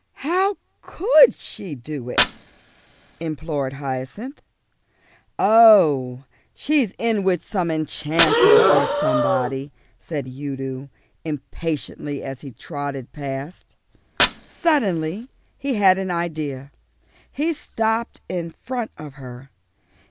"How could she do it?" implored Hyacinth. "Oh, she's in with some enchanter or somebody," said Udo impatiently as he trotted past. Suddenly he had an idea. He stopped in front of her.